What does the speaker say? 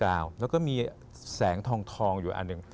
แล้วก็มีแสงทองอยู่อันหนึ่ง